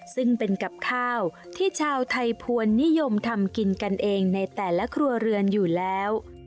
ซึ่งเป็นกับข้าวที่ชาวไทยพวนนิยมทำกินกันเองในแต่ละครัวเรือนอยู่แล้ว